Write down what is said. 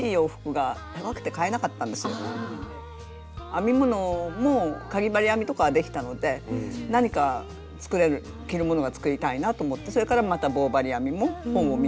編み物もかぎ針編みとかはできたので何か着るものが作りたいなと思ってそれからまた棒針編みも本を見ながら覚えました。